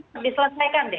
lebih selesaikan deh